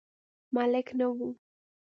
ملک نه و.